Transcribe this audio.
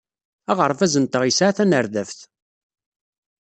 Aɣerbaz-nteɣ yesɛa tanerdabt.